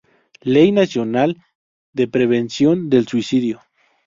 Ley Nacional de Prevención del Suicidio